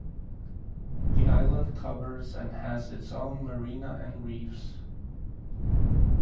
The island covers and has its own marina and reefs.